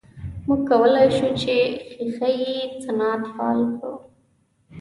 موږ کولای سو چې ښیښه یي صنعت فعال کړو.